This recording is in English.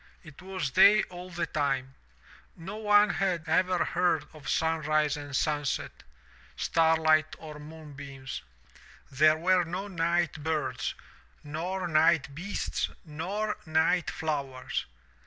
It was day all the time. No one had ever heard of sunrise or sunset, starlight or moonbeams. There were no night birds, nor night beasts, nor night flowers.